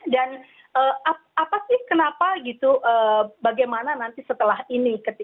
dan apa sih kenapa gitu bagaimana nanti setelah ini